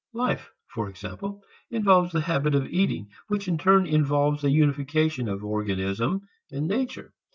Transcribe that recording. Life, for example, involves the habit of eating, which in turn involves a unification of organism and nature.